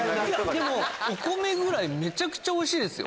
でもお米ぐらいめちゃくちゃおいしいですよ。